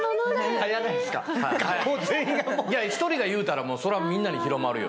一人が言うたらそりゃみんなに広まるよ。